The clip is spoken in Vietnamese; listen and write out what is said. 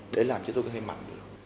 để làm cho tôi có thể mạnh được